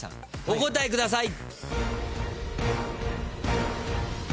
お答えください。